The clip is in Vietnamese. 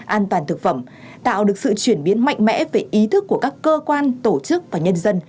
an toàn thực phẩm tạo được sự chuyển biến mạnh mẽ về ý thức của các cơ quan tổ chức và nhân dân